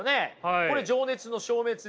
これ情熱の消滅ですよ。